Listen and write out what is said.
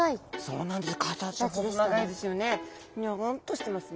そうなんです。